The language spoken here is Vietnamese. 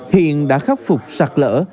hiện đã khắc phục sạt lỡ